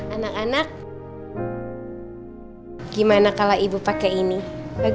anak anak gimana kalau ibu pakai ini bagus gak